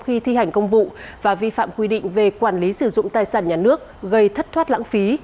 khi thi hành công vụ và vi phạm quy định về quản lý sử dụng tài sản nhà nước gây thất thoát lãng phí